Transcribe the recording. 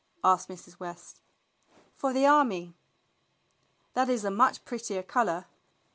asked Mrs. West. "For the army." "That is a much prettier color."